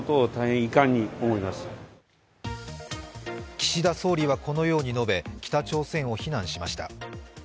岸田総理はこのように述べ北朝鮮を非難しました。